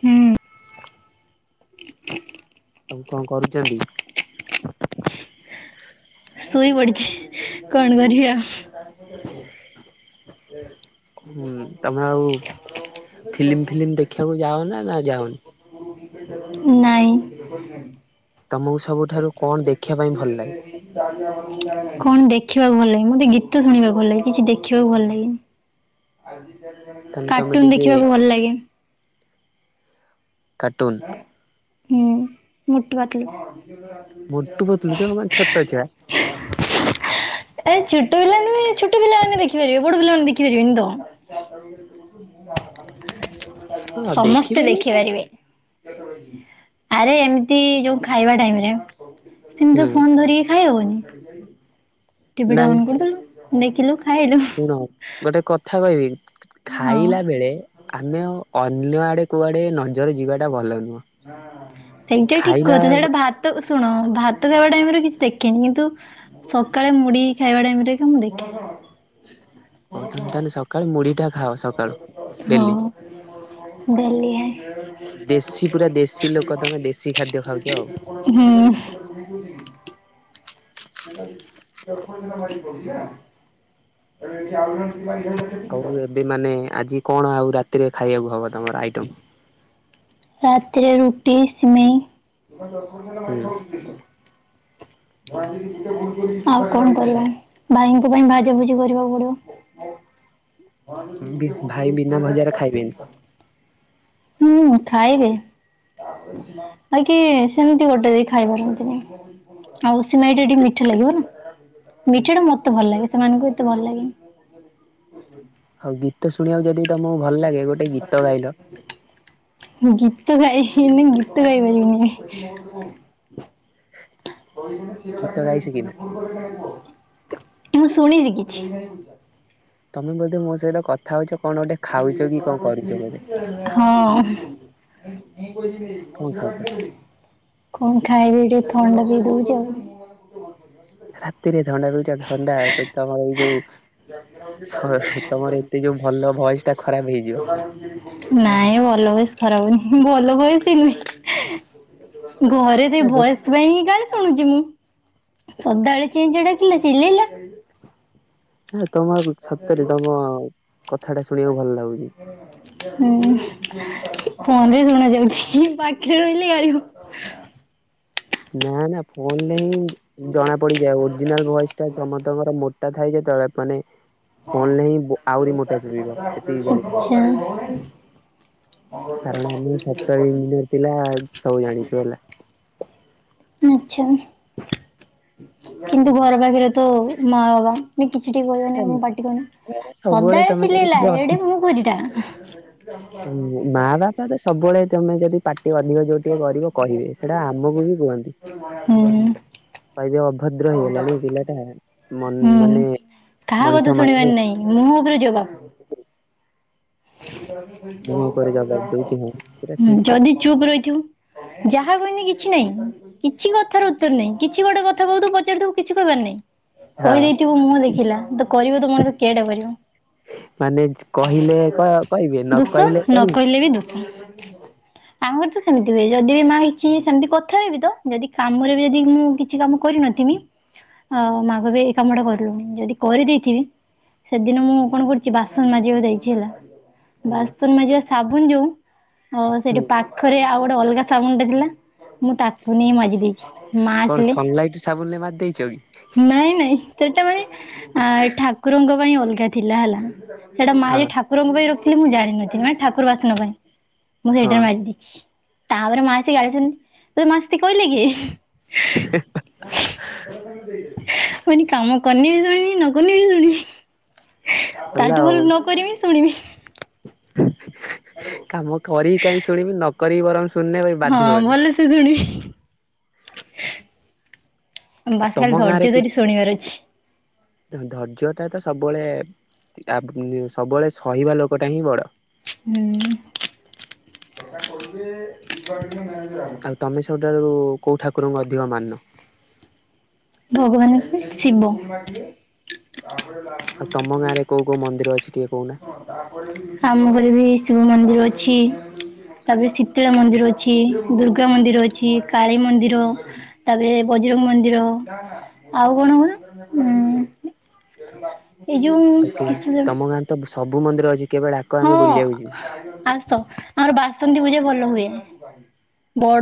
ହୁଁ। ଆଉ କଣ କରୁଚନ୍ତି? ଶୋଇପଡିଚି କଣ କରିବି ଆଉ। ହୁଁ ତମେ ଆଉ ଫିଲିମ୍ ଫିଲିମ୍ ଦେଖିବାକୁ ଯାଅ ନା, ନା ଯାଅନି? ନାଇଁ। ତମକୁ ସବୁଠାରୁ କଣ ଦେ ତାା ବ କଣ ଦେଖିବାକୁ ଭଲଲାଗେ, ମତେ ଗୀତ ଶୁଣିବାକୁ ଭଲ ଲାଗେ କିଛି ଦେଖିବାକୁ ଭଲଲାଗନି। ତାହେଲେ ତମେ କାର୍ଟୁନ ଟିକେ ଦେଖିବାକୁ ଭଲଲାଗେ। କାଟୁନ୍? ହୁଁ ମୋଟୁ ପତଲୁ। ଏ ଛୋ ମୋଟୁ ପତଲୁ ତମେ କଣ ଛୋଟ ଛୁଆ ଛୋଟ ପିଲା ବି ଛୋଟ ପିଲାମାନେ ଦେଖିପାରିବେ ବଡ ପିଲାମାନେ ଦେଖିପାରିବେନି ତ। ହଁ ସମସ୍ତେ ଦେଖିପାରିବ ତ ଦେଖିପାରିବେ। ଆରେ ଏମିତି ଯୋଉ ଖାଇବା ଟାଇମରେ ସେମିତ୍ ତ ହୁଁ ଫୋନ ଧରିକି ଖାଇହବନି ଟିଭିଟା ନାଇଁ ଅନ୍ କରିଦେଲୁ ଦେଖିଲୁ ଖାଇଲୁ ଶୁଣ ଗୋଟେ କଥା କହିବି ହଁ। ଖାଇଲା ବେଳେ ଆମେ ଅ ଅନ୍ୟ ଆଡେ କୁଆଡେ ନଜର ଯିବାଟା ଭଲ ନୁହଁ। ସେଇଟା ଠିକ୍ ଖାଇଲା କଥା ସେଟା ଭାତ ଉସ୍ ଶୁଣ ଭାତ ଖାଇବା ଟାଇମରେ କିଛି ଦେଖେନି କିନ୍ତୁ ସକାଳେ ମୁଢ ଖାଇବା ଟାଇମ ରେ ମୁଁ ଦେଖେ ହଉ ତମେ ତାହେଲେ ସକାଳୁ ମୁଢିଟା ଖାଅ ହଁ ସକାଳୁ ଡେଲି ଦେଶୀ ପୁରା ହେଁ ଦେଶୀ ଲୋକ ତମେ ଦେଶୀ ଖାଦ୍ୟ ଖାଉଛ ଆଉ। [unintelligible] ହୁଁ। [unintelligible] ହଉ ଏବେ ମାନେ ଆଜି କଣ ଆଉ ରାତିରେ ଖାଇବାକୁ ହବ ତମର ଆଇଟମ? ରାତିରେ ରୁଟି ସିମେଇ ହୁଁ ଆଉ କଣ କରିବା ଭାଇଙ୍କ ପାଇଁ ଭାଜ ଭୁଜି କରିବାକୁ ପଡିବ। ବି ଭାଇ ବିନା ଭଜାରେ ଖାଇବେନି। [unintelligible] ହୁଁ ଖାଇବେ। ଆ କି ସେମିତି ଗୋଟେ ଦେଇ ଖାଇ ପାରନ୍ତିନି। ଆଉ ସିମେଇଟା ଟିକେ ମିଠା ଲାଗିବ ନା ମିଠା ଟା ମତେ ଭଲ ଲାଗେ ସେମାନଙ୍କୁ ଏତେ ଭଲ ଲାଗେନି। ହଉ ଗୀତ ଶୁଣିବାକୁ ଯଦି ତମକୁ ଭଲ ଲାଗେ ଗୋଟେ ଗୀତ ଗାଇଲ ମୁଁ ଗୀତ ଗାଇ ଏନ ଗୀତ ଗାଇବିନି। [unintelligible] ଗୀତ ଗାଇ ଶିଖିନା। ମୁଁ ଶୁଣିବି କିଛି। ତମେ ବୋଧେ ମୋ ସହିତ କଥା ହୋଉଚ ହଁ। କଣ ଖାଉଛ? କଣ ଖାଇବି ଏଇଠି ଥଣ୍ଡା ଧରି ଦୋଉଚି। ରାଃତିରେ ଥଣ୍ଡା ଧରୁଚି ଆଉ ଥଣ୍ଡା ତ [unintelligible] ତମର ଏଇ ଯୋଉ [unintelligible] ତମର ଏତେ ଯୋଉ ଭଲ ଭଏସଟା। ନାଇଁ ଭଲ ଭ‌ଏସ୍ ଖରାପ ହୁଏନି। [unintelligible] ହୁଁ ଭଲ ଭେଏସ୍ ହିଁ ନୁହେଁ। ଘରେ ବି ଭ‌ଏସ୍ ପାଇଁଁ ଗାଳି ଶୁଣୁଚି ମୁଁ। ସନ୍ଧ୍ୟା ବେଳେ [unintelligible] ଚେଁ ଚେଁ ଡାକିଲା ଚିଲେଇଲା। ହେ ତମ ସତରେ ତମ କଥାଟା ଶୁଣିବାକୁ ଭଲ ଲାଗୁଚି। ହୁଁ ଫୋନରେ ଶୁଣା ଯାଉଛି। ପାଖରେ ରହିଲେ ଗାଳିବ। ନାଁ ନାଁ ଫୋନରେ ହିଁ ଜଣା ପଡିଯାଉ ଓରିଜିନାଲ ଭଏସଟା ସମସ୍ତଙ୍କର ମୋଟା ଥାଏ ଯେତେବେଳେ ମାନେ ଫୋନରେ ହିଁ ବୋ ଆହୁରି ମୋଟା ଶୁବିବ ଏତିକି ଜାଣିଥା। ଆଚ୍ଛା। କାରଣ ଆମେ ସଫ୍ଟୱାର ଇଞ୍ଜିନିୟର ପିଲା ସବୁ ଜାଣିଚୁ ହେଲା। ଆଚ୍ଛା କିନ୍ତୁ ଘର ପାଖରେ ତ ମା ବାବା ଟିକେ ଟିକେ କହିବେନି [unintelligible] ମୁଁ ପାଟି କରନା। ସବୁବେଳେ ସଦାବେଳେ ତମେ ଯଦି ଚିଲେଇଲା ଏଡେ ବଡ ପାଟି ଟା। ମା ବାପା ତ ସବୁବେଳେ ତମେ ଯଦି ପାଟି ଅଧିକ ଯୋଉ ଟିକେ କରିବ କହିବେ ସେଟା ଆମକୁ ବି କୁହନ୍ତି। ହୁଁ [unintelligible] ଅଭଦ୍ର ହେଇଗଲାଣି ପିଲାଟା। ହୁଁ ମାନେ କାହା ମଣିଷ କଥା ମାନଙ୍କୁ ଶୁଣିବାର ନାଇଁ ମୁହଁ ଉପରେ ଜବାବ। [unintelligible] ମୁହଁ ଉପରେ ଜବାବ ଦଉଛି ହଁ ପୁରା ହୁଁ ଠିକ କଥା। ଯଦି ଚୁପ୍ ରହିଥିବୁ ଯାହା କହିନି କିଛି ନାହିଁ। କିଛି କଥାର ଉତ୍ତର ନାହିଁ କିଛି ଗୋଟେ କଥା କହୁ ପଚାରିଥିବୁ କିଛି କହିବାର ନାହିଁ। ହଁ କହିଦେଇଥିବୁ ମୁହଁ ଦେଖିଲା ତ କରିବ ତ ମଣିଷ କିଏଟା କରିବ। ମାନେ କହିଲେ କ ଦୁଶନ କହିଲେ ବି ଦୁସି ଆମ ଘରେ ତ ସେମିତି ହୁଏ ଯଦି ବି ମା କିଛି ସେମିତି କଥାରେ ବି ତ ଯଦି କାମରେ ବି ଯଦି ମୁଁ କିଛି କାମ କ [inaudible] ମାକୁ ବି ଏଇ କାମ ଟା କରଲୁଣି ଯଦି କରିଦେଇଥିବି ସେଦିନ ମୁଁ କଣ କରୁଛି ବାସନ ମାଜିବାକୁ ଯାଇଛି ହେଲା। ଆଜ୍ଞା। ବାସନ ମାଜିବା ସାବୁନ ଯୋଉ ଅ ସେଠି ହୁଁ ପାଖରେ ଆଉ ଗୋଟେ ଅଲଗା ସାବୁନ ଟା ଥିଲା ମୁଁ ତାକୁ ନେଇ ମାଜି ଦେଇଛି ମା କଣ ଆସିଲେ ସନଲାଇଟ ସାବୁନରେ ମାରି ଦେଇଛ କି ନାଇଁ ନାଇଁ ସେଟା ମାନେ ଆ ଠାକୁରଙ୍କ ଅଲଗା ଥିଲା ହେଲା ସେଟା ମା ହଁ ଯେ ଠାକୁରଙ୍କ ପାଇଁ ରଖିଥିଲେ ମୁଁ ଜାଣିନଥିଲି ମାନେ ଠାକୁ ଠାକୁର ବାସନ ପାଇଁ ମୁଁ ହଁ ସେଇଟାରେ ମାଜି ଦେଇଛି। ତାପରେ ମା ଆସୀ ଗାଳି ଦୋଉଛନ୍ତି ତତେ ମାଜିତେ କହିଲା କିଏ [unintelligible] ମୁଁ କଇନି କାମ କନେ ବି ଶୁଣିବି ନ କନେ ବି ଶୁଣିବି ଗଲା ତାଠୁ ଭଲ ଆଉ। ନକବି ଶୁଣିବି କାମ କରି କାହିଁ ଶୁଣିବି ନ କରି ବରଂ ସୁ ଶୁଣିନେ ଭାଇ ହଁ ବାଧୀବନି। ଭଲସେ ଶୁଣିବି ଆଉ ବାସ ଖାଲି ଧୈର୍ଯ୍ୟ ଧରି ଶୁଣିବାର ଅଛି। ଧୈର୍ଯ୍ୟ ଟା ତ ସବୁବେଳେ ଆ ବୁ ସବୁବେଳେ ସହିବା ଲୋକଟା ହିଁ ବଡ। ହୁଁ। ଆଉ ତମେ ସବୁଠାରୁ କୋଉ ଠାକୁରଙ୍କୁ ଅଧିକ ମାନ? ଭଗବାନ କିଏ ଶିବ। ଆଉ ତମ ଗାଁରେ କୋଉ କୋଉ ମନ୍ଦିର ଅଛି ଟିକେ କହୁନା କାମ କରି ଏଠାରେ ବି ଶିବ ମନ୍ଦିର ଅଛି। ତାପରେ ଶୀତଳା ମନ୍ଦିର ଅଛି ଦୁର୍ଗା ମନ୍ଦିର ଅଛି କାଳୀ ମନ୍ଦିର ତାପରେ ବଜରଙ୍ଗ ମନ୍ଦିର ଆଉ କଣ କହୁନ ଏ ଯୋଉ [unintelligible] କଉ ମନ୍ଦିର ଅଛି କେବେ ଡାକ ଆମେ ବୁଲିବାକୁ ଯିବୁ। ସ ଆମର ବାସନ୍ତୀ ପୂଜା ଭଲ ହୁଏ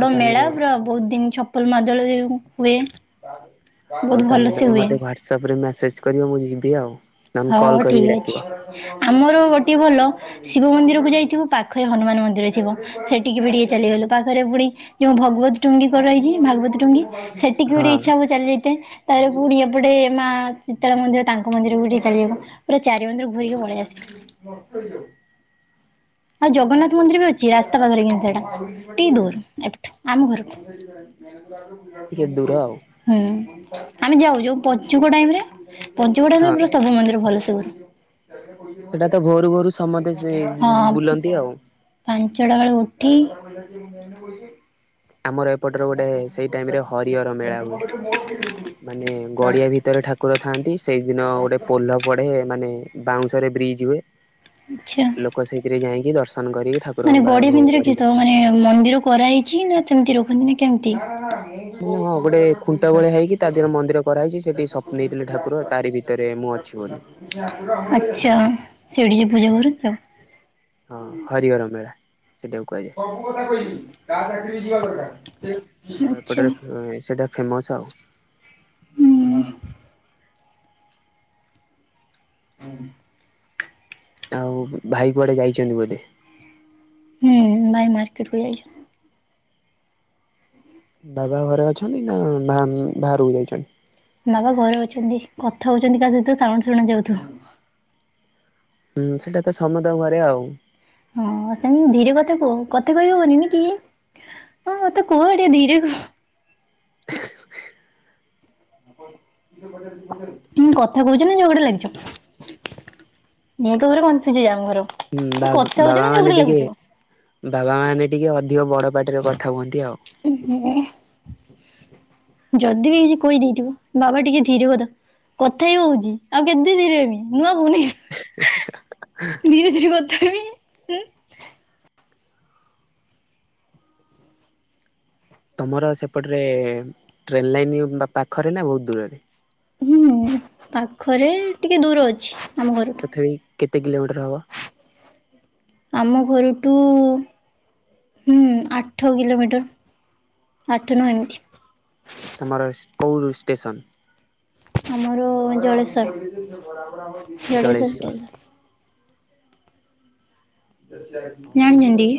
ହଉ ତାହେଲେ ମେଳା ପୁରା ବହୁତ ଦିନ ଛ ପଲ ମାଦଳଦେଉ ବି ହୁଏ। ହଉ ବହୁତ ତାହେଲେ ଭଲସେ ତମେ ହୁଏ। ମୋତେ ୱାଟ୍ସପ ରେ ମେସେଜ୍ କରିବ ମୁଁ ଯିବି ଆଉ। ନହେଲେ ହଉ କଲ୍ ଠିକ କରିକି ଡାକିବ ଅଛି ଆମର ଗୋଟେ ଟେ ଭଲ ଶିବ ମନ୍ଦିରକୁ ଯାଇଥିବୁ ପାଖରେ ହନୁମାନ ମନ୍ଦିର ଥିବ ସେଠିକି ବି ଟିକେ ଚାଲିଗଲୁ ପାଖରେ ପୁଣି ଯୋଉ ଭଗବତ ଟୁଙ୍ଗି କରାଯାଇଛି ଭଗବତ ଟୁଙ୍ଗୀ ସେଠିକି ହଁ ଗୋଟେ ଇଚ୍ଛା ହୁଏ ଚାଲିଯାଇତେ ତାପରେ ପୁଣି ଏପଟେ ମା ଶୀତାରାମ ମନ୍ଦିର ତାଙ୍କ ମନ୍ଦିର କୁ ବି ଟି ଚାଲିଯିବୁ ପୁରା ଚାରି ମନ୍ଦିର ଭୁରିକି ପଳେଇ ଆସିବୁ। ଆଉ ଜଗନ୍ନାଥ ମନ୍ଦିର ବି ଅଛି ରାସ୍ତା ପାଖରେ କିନ୍ତୁ ହେଟା ଟିକେ ଦୂରୁ ଏଟା ଆମ ଘରକୁ। ଟିକେ ଦୂର ଆଉ ହୁଁ ଆମେ ଯାଉ ଯୋଉ ପଞ୍ଚୁକ ଟାଇମ ରେ ପଞ୍ଚୁକ ଟାଇମରେ ହଁ ପୁରା ସବୁ ମନ୍ଦିର ଭଲ ସେ ସେଟା ତ ଭୋରୁ ଭୋରୁ ସମସ୍ତେ ବୁଲୁ। ହଁ। ବୁଲନ୍ତି ଆଉ ପାଞ୍ଚଟା ବେଳେ ଉଠି ଆମର ଏପଟରେ ଗୋଟେ ସେଇ ଟାଇମରେ ହରିହର ମେଳା ହୁଏ। ମାନେ ଗଡିଆ ଭିତରେ ଠାକୁର ଥାନ୍ତି ସେଇଦିନ ଗୋଟେ ପୋଲ ପଡେ ମାନେ ବାଉଁଶରେ ବ୍ରିଜ୍ ହୁଏ ଆଚ୍ଛା ଲୋକ ସେଇଥିରେ ଯାଇକି ଦ ମାନେ ଗଡିଆ ବିନ୍ଧିରେ କିଷ ମାନେ ମନ୍ଦିର କରାହେଇଛି ନା ସେମତି ରଖନ୍ତି ନା କେମିତି? ମାନେ ହଁ ଗୋଟେ ଖୁଣ୍ଟ ଭଳିଆ ହେଇକି ତା ଦିହରେ ମନ୍ଦିର କରା ଆଛା। ମୁଁ ଅଛି ବୋଲି। ସେଠିକି ପୂଜା କରୁ ତା ହଁ ହରିହର ମେଳା। ସେଇଟାକୁ କୁହାଯାଏ। ସବୁ କଥା କହିବି କାହା ଚାକିରି ଯିବା ଦରକାର। ଆମର ଏପଟରେ ସେଇଟା ଫେମସ ଆଉ। ହୁଁ ହୁ ଆଉ ଭାଇ କୁଆଡ଼େ ଯାଇଛନ୍ତି ବୋଧେ? ହୁଁ ଭାଇ ମାର୍କେଟ କୁ ଯାଇଛନ୍ତି। ବାବା ଘରେ ଅଛନ୍ତି ନା ବା ବାହାରକୁ ଯାଇଛନ୍ତି? ବାବା ଘରେ ଅଛନ୍ତି କଥା ହଉଛନ୍ତି କା ସହିତ ସାଉଣ୍ଡ ଶୁଣା ଯାଉଥିବ। ହୁଁ ସେଇଟା ତ ସମତଙ୍କ ଘରେ ଆଉ। ହଁ ତମେ ଧୀରେ କଥା କୁହ? କଥା କହିହବନି ନି କି? ହଁ ଏତେ କୁହ ଟିକେ ଧିରେ କୁହ। ଉଁ କଥା କହୁଛନା ଝଗଡ଼ା ଲାଗିଛ? ମୁଁ ତ ଘରେ କନଫ୍ୟୁଜ୍ ହେଇଯାଏ ଆମ ଘରେ। ହୁଁ ବା ବାବା ମାନେ ଟିକେ ବାବା ମାନେ ଟିକେ ଅଧିକ ବଡ ପାଟିରେ କଥା ହୁଅନ୍ତି ଆଉ। ଯଦି ବି କିଛି କହିଦେଇଥିବ ବାବା ଟିକେ ଧୀରେ କଥା କଥା ହି ହୋଉଛି ଆଉ କେତେ ଧୀରେ ହେବି ନୂଆ ବୋହୂ ନୁହଁକି। ଏହେ ହା ହା। ଧୀରେ ଧୀରେ କଥା ହେବି। ତମର ସେପଟରେ ଟ୍ରେନ୍ ଲାଇନ୍ ପାଖରେ ନା ବହୁତୂ ଦୂରରେ? ହୁଁ ପାଖରେ ଟିକେ ଦୂର ଅଛି। ଆମ ଘରଠୁ। ତଥାପି କେତେ କିଲୋମିଟର ହବ? ଆମ ଘରଠୁ ହଁ ଆଠ କିଲୋମିଟର ଆଠ ନଅ ଏମିତି। ତମର ଏସ କୋଉ ଷ୍ଟେସନ୍? ଆମର ଜଳେଶ୍ଵର ଜଳେଶ୍ଵର ଟେ ଓହୋ ଜାଣିଛନ୍ତି?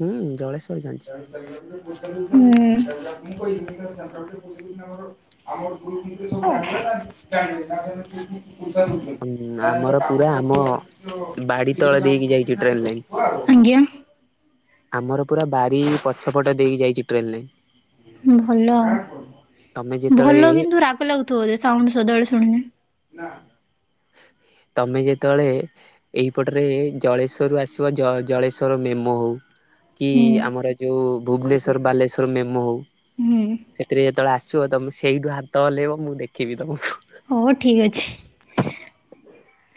ହୁଁ ଜଳେଶ୍ଵର ଜାଣିଛି। ଣି ସାର ପ ହୁଁ। ହୁଁ ଆମର ପୁରା ଆମ [unintelligible] ବାଡି ତଳେ ଦେଇକି ଯାଇଛି ଟ୍ରେନ୍ ହା। ଲାଇନ୍। ଆଜ୍ଞା। ଆମର ପୁରା ବାରି ପଛ ଫଟ ଦେଇକି ଯାଇଛି ଟ୍ରେନ ଲାଇନ। ଭଲ ଆ ତମେ ଯେତେବେଳେ ଭଲ କିନ୍ତୁ ରାଗ ଲାଗୁଥିବ ଯେ ସାଉଣ୍ଡ ସଦାବେଳେ ଶୁଣିଲେ। ତମେ ଯେତେବେଳେ ଏହି ପଟରେ ଜଳେଶ୍ଵରରୁ ଆସିବ ଜ ଜଳେଶ୍ଵର ମେମୋ ହେଉ କି ହୁଁ ଆମର ଯୋଉ ଭୁବନେଶ୍ୱର ବାଲେଶ୍ଵର ମେମୋ ହଉ ହୁଁ। ସେଥିରେ ଯେତେବେଳେ ଆସ ଥିବ ତମେ ସେଇଠୁ ହାତ ହଲେଇବ ମୁଁ ଦେଖିବି ତୁମକୁ। ହଉ ଠିକ ଅଛି।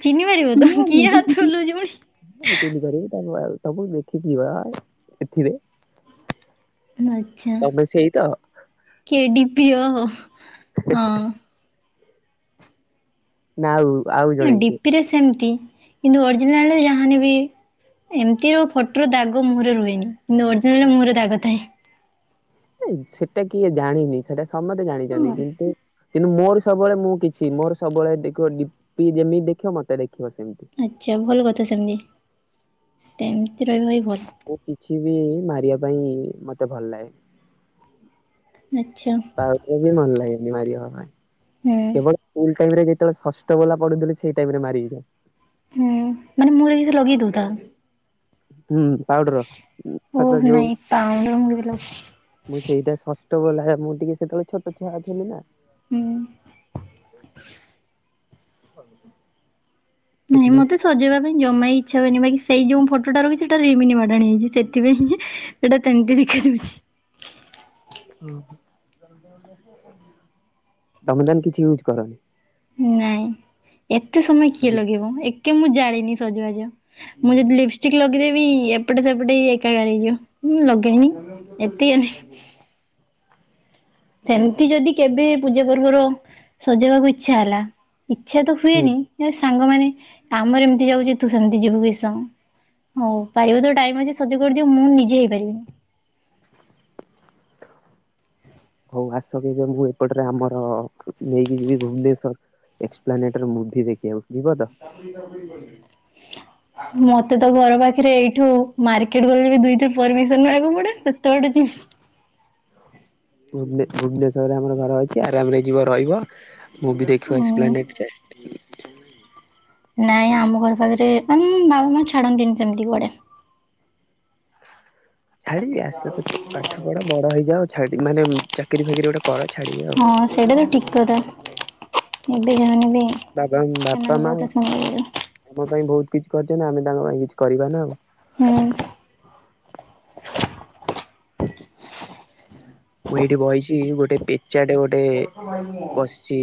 ଚିହ୍ନି ପାରିବ ତ ମୁଁ ପା କିଏ ଘରେ ହାତ ଥିବି। ହଲଉଛି ପୁଣି। ଚିହ୍ନିପାରିବୁ ତ [unintelligible] ତମକୁ ଦେଖି ଯିବା ଏଥିରେ ତମେ ସେଇ ତ କେ ଡି ପି ଓହୋ ହଁ। ନା ଆଉ? ଜଣେ ଡି କିଏ? ପିରେ ସେମିତି କିନ୍ତୁ ଅରିଜିନାଲରେ ଯାହା ହେନେ ବି ଏମିତି ରୁ ଫଟୋରୁ ଦାଗ ମୁହଁରେ ରୁହେନି। କିନ୍ତୁ ଅରଜିନାଲ ମୁହଁରେ ଦାଗ ଥାଏ। ସେଟା କିଏ ଜାଣିନି ସେଟା ସମସ୍ତେ ଜାଣିଛନ୍ତି ହଁ କିନ୍ତୁ କିନ୍ତୁ ମୋର ସବୁବେଳେ ମୁଁ କିଛି ମୋର ସବୁବେଳେ ଦେଖିବ ଡିି ପି ଯେମିତି ଦେଖିବ ମତେ ଦେଖ ଆଚ୍ଛା ଭଲ କଥା ସେମିତି ସେମତି ରହିବା ବି ଭଲ। ମୁଁ କିଛି ବି ମାରିବା ପାଇଁ ମତେ ଭଲ ଲାଗେନି। ଆଚ୍ଛା। ପାଉଡର ବି ଭଲ ଲାଗେନି ମାରିିବା ପାଇଁ। ହୁଁ କେବଳ ସ୍କୁଲ ଟାଇମ ରେ ଯେତେବେଳେ ଷଷ୍ଠ ଵାଲା ପଢ଼ୁଥିଲି ସେଇ ଟାଇମରେ ମାରି ହେଇଯାଏ। ହୁଁ ମାନେ ମୁହଁ ରେ କିଛି ଲଗେଇ ଦୋଉଥା। ହୁଁ ପାଉଡର ଓହ ହଚ ଯୋଉ ନାଇଁ ପାଉଡର ମୁଁ କେବେ ଲଗା ମୁ ସେଇଟା ଶ ଷ୍ଠ ପଢ଼ିଲାବେଳେ ମୁଁ ଟିକେ ସେତେବେଳେ ଛୋଟଛୁଆ ଥିଲି ନା। ହୁଁ। ହ ନାଇଁ ମତେ ସଜେଇବା ପାଇଁ ଜମା ଇଚ୍ଛା ହୁଏନି ବାକି ସେଇ ଯୋଉ ଫଟୋଟା ରଖିଛି ସେଟା ରିମିନି ମଡନି ହେଇଛି। ସେଥିପାଇଁ ସେଟା ସେମିତି ଦେଖା [unintelligible] ତମେ ତାହେନେ କିଛି ୟୁଜ କରନି? ନାଇଁ। ଏତେ ସମୟ କିଏ ଲଗେଇବ ମ ଏ କିଏ ମୁଁ ଜାଣିନି ସଜବାଜ। ମୁଁ ଯଦି ଲିପଷ୍ଟିକ ଲଗେଇଦେବି ଏପଟେ ସେପଟେ ଏକାକାର ହେଇଯିବ। ହୁଁ ଲଗେଇନି ଏତିକରେ ସେମତି ଯଦି କେବେ ପୂଜା ପର୍ବର ସଜେଇବାକୁ ଇଚ୍ଛା ହେଲା ଇଚ୍ଛା ତ ହୁଁ ହୁଏନି କିନ୍ତୁ ସାଙ୍ଗମାନେ, ଆମର ଏମିତି ଯାଉଚି ତୁ ସେମତି ଯିବୁ କିସ ହଉ ପାରିବ ତ ଟାଇମଅଛି ସଜ କରିଦିଅ, ମୁଁ ନିଜେ ହେଇପାରିବିନି। ହଉ ଆସ କେବେ ମୁଁ ଏପଟରେ ଆମର ନେଇକି ଯିବି ଭୁବନେଶ୍ଵର। ଏକ୍ସପ୍ଲାନେଟର ମୁଭି ଦେଖିବାକୁ। ଯିବ ତ ତାପ ତା ମତେ ତ ଘର ପାଖରେ ଏଇଠୁ ମାର୍କେଟ ଗଲେ ବି ଦୁଇତେ ପରମିସନ ମାଗିବାକୁ ପଡେ, ସେତେବାଟ ଯିବି ଭୁବନେ ଭୁବନେଶ୍ଵରରେ ଆମର ଘର ଅଛି ଆରାମରେ ଯିବ ରହିବ ମୁଭି ଦେଖିବା ଉଁ ଏକ୍ସପ୍ଲାନେଟରେ। ନାଇଁ ଆମ ଘର ପାଖରେ, ଉଁ ମାମା ଛାଡନ୍ତିନି ସେମତି କୁଆଡେ। ଛାଡି ଆସ୍ତେ ଆସ୍ତେ ପାଠ ପଢ, ବଡ ହେଇଯାଅ ଛାଡ଼ି ମାନେ ଚାକିରୀ ଫାକିରି ଗୋଟେ କର ଛାଡିବି ଆଉ। ହଁ ସେଇଟା ତ ଠିକ କଥା। ଏବେ ଯା ହେନେ ବି ବାବା ବାପା ସେମାନଙ୍କ ମା କଥା ଆମ ଶୁଣିବ। ପାଇଁ ବହୁତ କିଛି କରିଛନ୍ତି ଆମେ ତାଙ୍କ ପାଇଁ କିଛି କରିବା ନା ଆଉ। ହୁଁ। ମୁଁ ଏଇଠି ବଇଛି ଗୋଟେ ପେଚାଟେ ଗୋଟେ ବସିଛି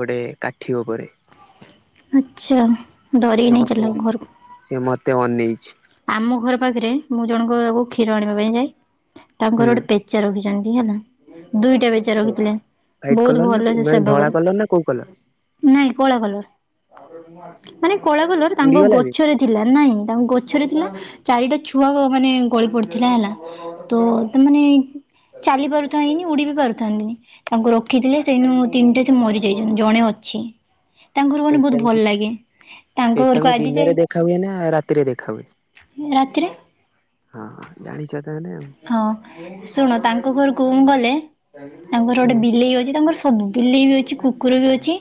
ଗୋଟେ ଉଠିବ ପରେ। ଆଚ୍ଛା ଧରିକି ସିଏ ନେଇ ଚାଲ ମତେ ଘରକୁ। ସିଏ ମତ ତେ ଅନେଇଛି। ଆମ ଘର ପାଖରେ ମୁଁ ଜଣଙ୍କ ଆକୁ କ୍ଷୀର ଆଣିବା ପାଇଁ ଯାଏ, ତାଙ୍କର ହୁଁ ଗୋଟେ ପେଚା ରଖିଛ ଚନ୍ତି ହେଲା, ଦୁଇଟା ପେଚା ରଖିଥିଲେ। ହ୍ୱାଇଟ ବହୁତ କଲର ନା ଭଲ ସେ ମାନେ ସେବା କର ଧଳା କଲର ନା କୋଉ କଲର ନାଇଁ କଳା କଲର। ମାନେ କଳା କଲର ତାଙ୍କ ଉଡିଗଲା ଯେ ଗଛରେ ଥିଲା, ନାଇଁ ତାଙ୍କ ଗଛ ରେ ଥିଲା। ଚାରିଟା ଛୁଆ ମାନେ ଗଳି ପଡିଥିଲା ହେଲା, ତ ତାମାନେ ଚାଲି ପାରୁଥାଇନି ଉଡି ବି ପାରୁଥାନ୍ତିନି। ତାଙ୍କୁ ରଖିଥିଲେ ସେଇନୁ ତିନିଟା ସେ ମରିଯାଇଛନ୍ତି ଜଣେ ଅଛି। ତାଙ୍କ ଘର ମାନେ ବହୁତ ପେଚାଙ୍କୁ ଭଲ ଲାଗେ। ତାଙ୍କ ଘରକୁ ପେଚାଙ୍କୁ ଆଜି ଦିନରେ ଯାଇ ଦେଖା ହୁଏ ନା ରାତିରେ ଦେଖା ହୁଏ ରାତିରେ। ହଁ ହଁଁ ଜାଣିଛ ତାହେଲେ ଆଉ। ହଁ ଶୁଣ ତାଙ୍କ ଘରକୁ ମୁଁ ଗଲେ, ତାଙ୍କର ଗୋଟେ ହୁଁ ବିଲେଇ ଅଛି ତାଙ୍କର ସ ସବୁ ବିଲେଇ ବି ଅଛି, କୁକୁର ବି ଅଛି,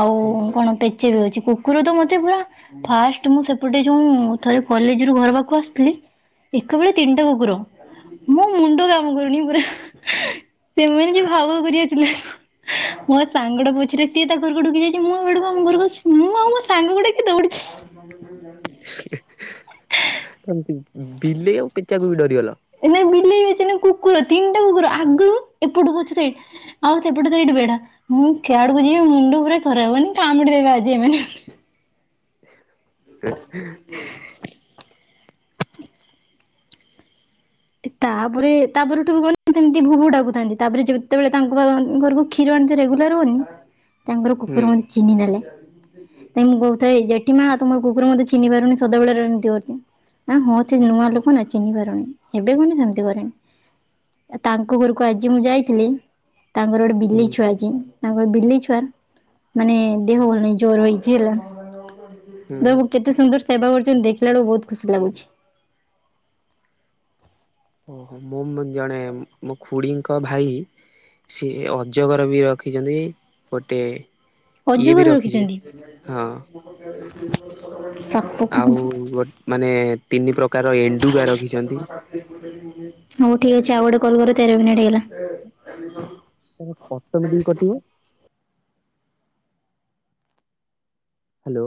ଆଉ ହୁଁ କଣ ପେ ଚା ବି ଅଛି। କୁକୁର ତ ମତେ ପୁରା ଫାଷ୍ଟ ମୁଁ ସେପଟେ ଯୋଉଁ ଥରେ କଲେଜରୁ ଘର ପାଖକୁ ଆସୁଥିଲି ଏକାବେଳେ ତିନିଟା କୁକୁର ମୋ ମୁଣ୍ଡ କାମ କରୁନି ପୁରା, ସେମାନେ ଯୋଉ ଭାଉ ଭାଉ କରିକି ଆସିଲେ ମୋ ସାଙ୍ଗଟାକୁ ପଛରେ ସିଏ ତା ଘରକୁ ଡୁକି ଯାଇଛି, ମୁଁ ଆଉ ଆଡକୁ ଆମ ଘରକୁ ଆସି ମୁଁ ଆଉ ମୋ ସାଙ୍ଗକୁ ଡ଼ାକି ଦୌଡିଛି। ମି ଏମତି ବିଲେଇ ଆଉ ପେଚାକୁ ବି ଡରିଗଲ? ନାଇଁ ବିଲେଇ ହେଇଛି ନା, କୁକୁର ତିନଟା କୁକୁର। ଆଗରୁ ଏପଟୁ ପଛରୁ ସେଇ ଆଉ ସେପଟେ ସେଇଟି ବେଡା, ମୁଁ କେଆଡକୁ ଯିବି ମୁଣ୍ଡ ପୁରା ଖରାପ। ମାନେ କାମୁଡି ଦେବେ ଆଜି ଏମାନେ। [unintelligible] ତାପରେ ତାପରଠୁ ଗଲି ଏମତି ଭୁବୁ ଡ଼ାକୁଥାନ୍ତି, ତାପରେ ଯେତେବେଳେ ତାଙ୍କ ଘରକୁ କ୍ଷୀର ଆଣିତେ ରେଗୁଲାର ଗନି ତାଙ୍କର କୁକୁର ହୁଁ ମତେ ଚିହ୍ନି ନେଲା। ତାଇ ମୁଁ କହୁଥାଏ ଯେଠି ମା ତମର କୁକୁର ମତେ ଚିହ୍ନି ପାରୁନି ସଦାବେଳେ ରେମତି କରୁଛି। ଆ ହଁ ସେ ନୂଆ ଲୋକ ନା ଚିହ୍ନି ପାରୁନି। ହେବେ ମାନେ ସେମିତି କରେନି। ଆ ତାଙ୍କ ଘରକୁ ଆଜି ମୁଁ ଯାଇଥିଲି ତାଙ୍କର ଗୋଟେ ହୁଁ ବିଲେଇ ଛୁଆ ଅଛି, ତାଙ୍କ ବିଲେଇ ଛୁଆର ମାନେ ଦେହ ଭଲ ନାହି ଜୋର ହେଇଛି ହେଲା। ହୁଁ। ତ କେତେ ସୁନ୍ଦର ସେବା କରୁଛନ୍ତି ଦେଖିଲା ବେଳକୁ ବହୁତ ଖୁସି ଲାଗୁଛି। ଓହୋ ମୁଁ ଜଣେ ମୁ ପୁଡ଼ିଙ୍କ ଭାଇ ସି ଅଜଗର ବି ରଖିଛନ୍ତି ଗୋଟେ ଇଏ ବି ଅଜଗରେ ରଖିଛି ରଖିଛନ୍ତି। ହଁ [unintelligible] ହଉ ଆଉ ଠିକ ଗୋ ମାନେ ଅଛି ତିନି ପ୍ରକାର ଆଉ ଏଣ୍ଡୁଗା ଗୋଟେ ରଖିଛନ୍ତି କଲ୍ କର ତେର ମିନିଟ୍ ହେଇଗଲା। ତାର ଅଟୋମେଟିକ କଟିବ। ହ୍ୟାଲୋ